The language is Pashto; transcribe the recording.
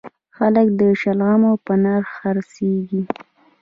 خلک د شلغمو په نرخ خرڅیږي